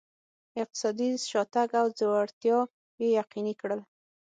اقتصادي شاتګ او ځوړتیا یې یقیني کړل.